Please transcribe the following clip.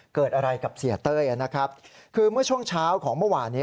เกิดอะไรกับเสียเต้ยนะครับคือเมื่อช่วงเช้าของเมื่อวานนี้